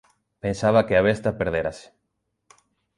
Pensaba que a besta perdérase.